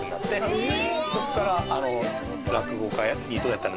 そっから。